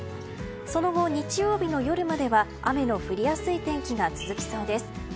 その後、日曜日の夜までは雨の降りやすい天気が続きそうです。